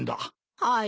はい。